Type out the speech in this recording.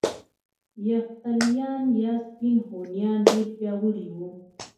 یفتلیان یا سپین هونیان ډیر پیاوړي وو